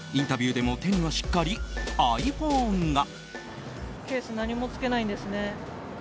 インタビューでも手にはしっかりｉＰｈｏｎｅが。